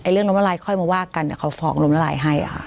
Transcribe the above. เรื่องลมนาลายค่อยมาวากกันเขาฝองลมนาลายให้